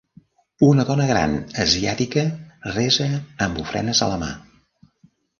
Una dona gran asiàtica resa amb ofrenes a la mà.